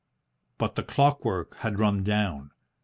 But the clockwork had run down.